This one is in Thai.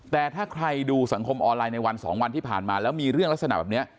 แต่ถ้าใครดูสังคมออนไลน์ในวันสองวันที่ผ่านมาแล้วมีเรื่องลักษณะแบบนี้